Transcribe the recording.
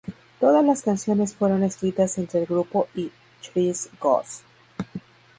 Todas las canciones fueron escritas entre el grupo y Chris Goss.